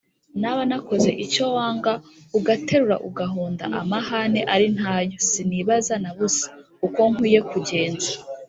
Naba nakoze icyo wangaUgaterura ugahondaAmahane ari ntayoSinibaze na busaUko nkwiye kugenza